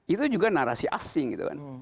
itu juga narasi asing gitu kan